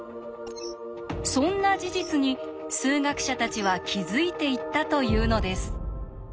そんな事実に数学者たちは気付いていったというのです。